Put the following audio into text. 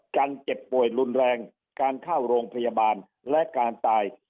เจ็บป่วยรุนแรงการเข้าโรงพยาบาลและการตาย